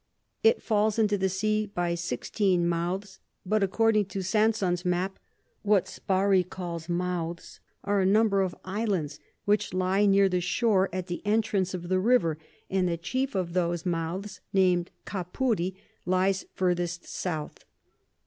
It falls into the Sea by sixteen Mouths; but according to Sansons Map, what Sparrey calls Mouths are a number of Islands which lie near the Shore at the Entrance of the River, and the chief of those Mouths nam'd Capuri lies furthest South.